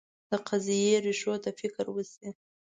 د قضیې ریښو ته فکر وشي.